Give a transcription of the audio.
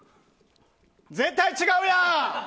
絶対違うやん！